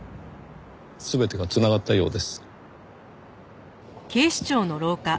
全てが繋がったようです。